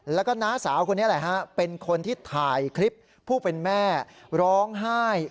แล้วก็น้าสาวคนนี้แหละฮะเป็นคนที่ถ่ายคลิปผู้เป็นแม่ร้องไห้